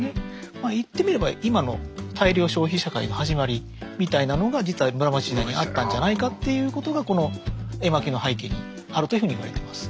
まあ言ってみれば今の大量消費社会の始まりみたいなのが実は室町時代にあったんじゃないかっていうことがこの絵巻の背景にあるというふうに言われています。